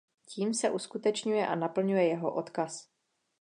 Tím se uskutečňuje a naplňuje jeho odkaz.